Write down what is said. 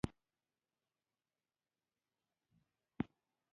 د متل ستر خصوصیت دا دی چې همیشه کنايي مانا لري